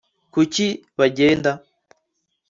kuki bagenda